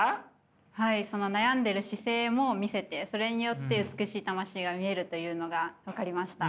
はいその悩んでいる姿勢も見せてそれによって美しい魂が見えるというのが分かりました。